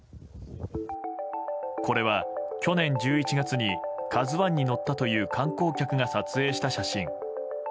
これは去年１１月に「ＫＡＺＵ１」に乗ったという観光客が撮影した写真。